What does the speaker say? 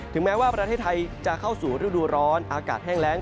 แม้ว่าประเทศไทยจะเข้าสู่ฤดูร้อนอากาศแห้งแรง